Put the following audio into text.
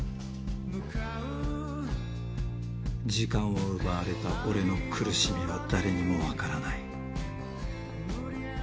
時間を奪われた俺の苦しみは誰にもわからない。